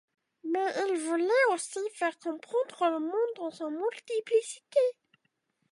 Mais ils voulaient aussi faire comprendre le monde dans sa multiplicité.